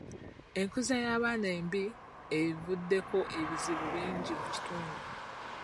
Enkuza y'abaana embi evuddeko ebizibu bingi mu kitundu?